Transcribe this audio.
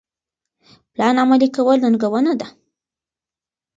پلان عملي کول ننګونه ده.